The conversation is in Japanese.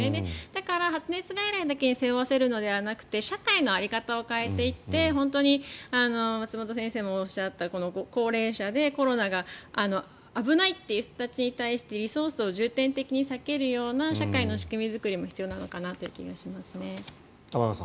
だから発熱外来にだけ背負わせるのではなくて社会の在り方を変えていって本当に松本先生もおっしゃった高齢者でコロナが危ないという人たちに対してリソースを重点的に割けるような社会の仕組み作りも必要なのかなという気がします。